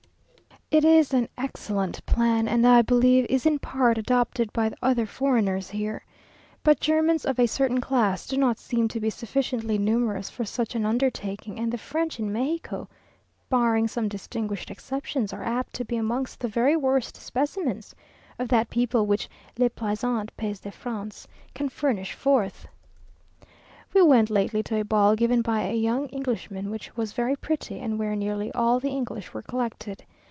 It is an excellent plan, and I believe is in part adopted by other foreigners here. But Germans of a certain class do not seem to be sufficiently numerous for such an undertaking, and the French in Mexico, barring some distinguished exceptions, are apt to be amongst the very worst specimens of that people which "le plaisant pays de France" can furnish forth. We went lately to a ball given by a young Englishman, which was very pretty, and where nearly all the English were collected.